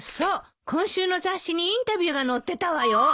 今週の雑誌にインタビューが載ってたわよ。